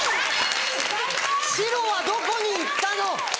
白はどこに行ったの！